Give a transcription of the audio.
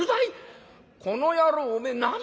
この野郎おめえ何を。